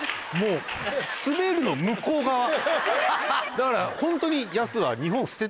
だからホントにヤスは。